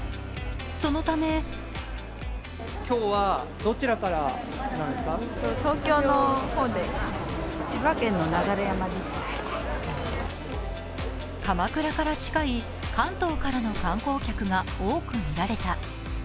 そのため鎌倉から近い、関東からの観光客が多く見られた。